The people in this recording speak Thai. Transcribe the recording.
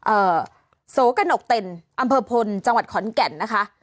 เอ่อโสกระหนกเต็นอำเภอพลจังหวัดขอนแก่นนะคะ